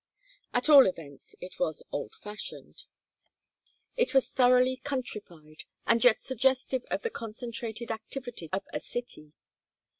At all events it was old fashioned. It was thoroughly countrified and yet suggestive of the concentrated activities of a city.